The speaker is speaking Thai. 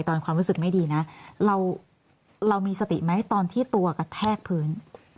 ความรู้สึกไม่ดีนะเรามีสติไหมตอนที่ตัวกระแทกพื้น